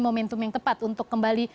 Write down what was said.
momentum yang tepat untuk kembali